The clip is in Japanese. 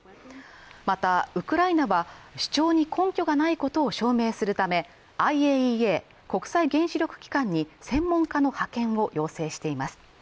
またウクライナは主張に根拠がないことを証明するためＩＡＥＡ＝国際原子力機関に専門家の派遣を要請しています